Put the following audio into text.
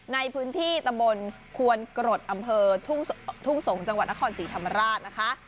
ในพื้นที่ตำบลควนกรดอำเภอทุ่งสงศ์จังหวัดนครศรีธรรมราชนะคะ